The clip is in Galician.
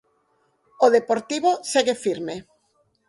O Deportivo segue firme.